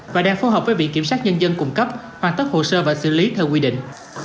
và đang phối hợp với viện kiểm sát nhân dân cung cấp hoàn tất hồ sơ và xử lý theo quy định